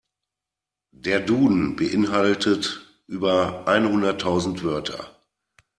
Der Duden beeinhaltet über einhunderttausend Wörter.